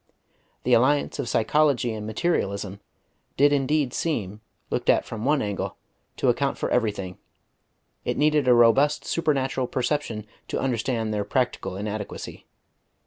The alliance of Psychology and Materialism did indeed seem, looked at from one angle, to account for everything; it needed a robust supernatural perception to understand their practical inadequacy.